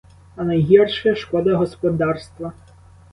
А найгірше шкода господарства.